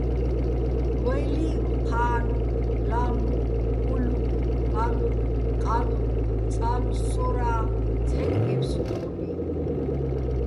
ვაჲ ლი́ვ: ჴანო̆, ლამო̆, ულო̆, პალო̆, ყალო̆, წალო, სწორა, ცჰ̦აჲნი̆ გე́ფსუდოლიჼ.